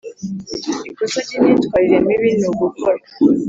Ikosa ry imyitwarire mibi ni ugukora